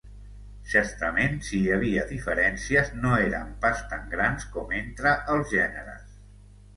Certament, si hi havia diferències, no eren pas tan grans com entre els gèneres.